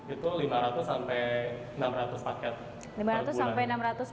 itu lima ratus enam ratus paket per bulan